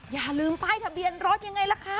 อย่าลืมป้ายทะเบียนรถยังไงล่ะคะ